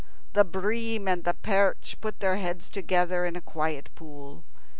The bream and the perch put their heads together in a quiet pool.